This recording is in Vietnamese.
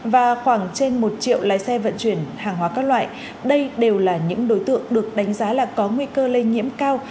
và khoảng trên một triệu lái xe vận chuyển hàng hóa các loại đây đều là những đối tượng được đánh giá là có nguy cơ lây nhiễm cao